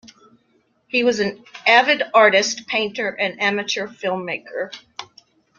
He was an avid artist, painter, and amateur filmmaker.